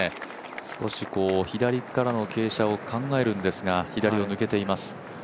少し左からの傾斜を考えるんですが左を抜けています。